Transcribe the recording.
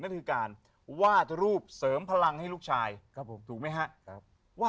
นั่นคือการวาดรูปเสริมพลังให้ลูกชายถูกไหมฮะ